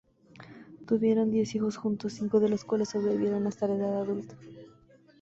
Tuvieron diez hijos juntos, cinco de los cuales sobrevivieron hasta la edad adulta.